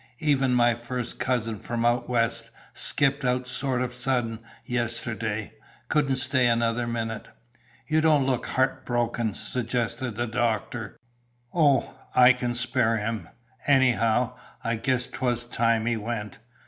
Even my 'first cousin from out west' skipped out sort of sudden yesterday; couldn't stay another minute." "You don't look heartbroken," suggested the doctor. "Oh, I can spare him. Anyhow, I guess 'twas time he went.